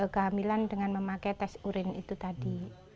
kehamilan dengan memakai tes urin itu tadi